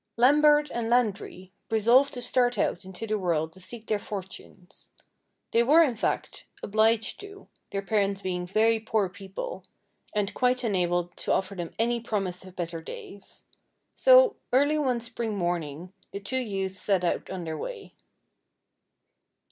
¥ I AMBERT and Landry resolved to start out into the world to seek their fortunes. They were, in fact, obliged to, their parents being very poor people, ^ and quite unable to offer them any promise of better days. So, early one spring morning the two youths set out on their way.